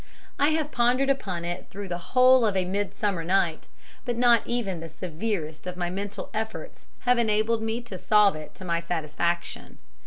I have pondered upon it through the whole of a mid summer night, but not even the severest of my mental efforts have enabled me to solve it to my satisfaction.